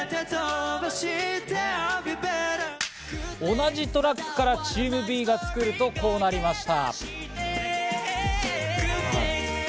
同じトラックからチームＢが作るとこうなりました。